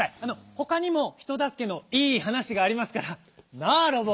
ほかにもひとだすけのいいはなしがありますから。なあロボ！